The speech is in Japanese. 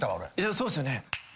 そうっすよね。